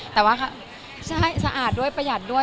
แต่ว่าใช่สะอาดด้วยประหยัดด้วย